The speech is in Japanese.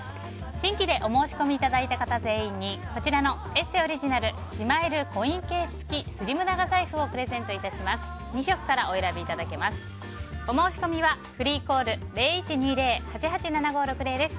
新規でお申し込みいただいた方全員に「ＥＳＳＥ」オリジナルしまえるコインケース付きスリム長財布をプレゼントいたします。